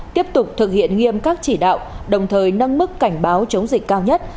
tiếp tục thực hiện nghiêm các chỉ đạo đồng thời nâng mức cảnh báo chống dịch cao nhất